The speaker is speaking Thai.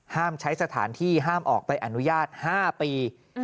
ใช้สถานที่ห้ามออกใบอนุญาต๕ปี